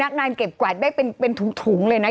ยังไม่ได้ตอบรับหรือเปล่ายังไม่ได้ตอบรับหรือเปล่า